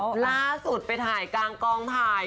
ชอบหมดล่าสุดไปถ่ายกลางกลางไทย